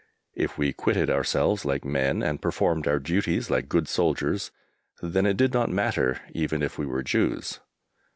If we quitted ourselves like men and performed our duties like good soldiers, then it did not matter, even if we were Jews.